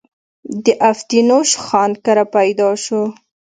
د افتينوش خان کره پيدا شو